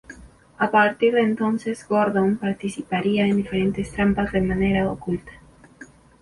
A partir de entonces Gordon participaría en diferentes trampas de manera oculta.